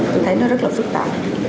tôi thấy nó rất là phức tạp